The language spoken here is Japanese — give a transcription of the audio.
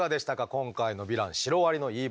今回のヴィランシロアリの言い分。